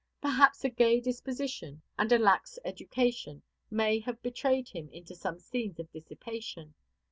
Perhaps a gay disposition and a lax education may have betrayed him into some scenes of dissipation.